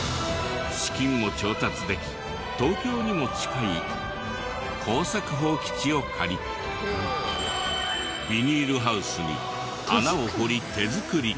資金も調達でき東京にも近い耕作放棄地を借りビニールハウスに穴を掘り手作り。